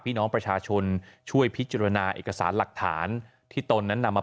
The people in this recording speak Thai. พี่น้องประชาชนช่วยพิจารณาเอกสารหลักฐานที่ตนนั้นนำมา